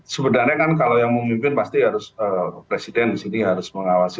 sebenarnya kan kalau yang memimpin pasti harus presiden di sini harus mengawasi